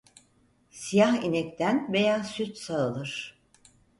Siyah inekten beyaz süt sağılır.